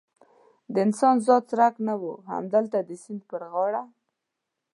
د انسان ذات څرک نه و، همدلته د سیند پر غاړه.